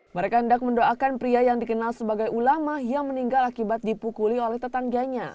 mereka hendak mendoakan pria yang dikenal sebagai ulama yang meninggal akibat dipukuli oleh tetangganya